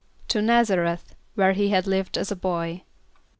=To N[)a]z´a r[)e]th, where he had lived as a boy.